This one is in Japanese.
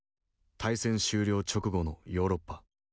大戦終了直後のヨーロッパ。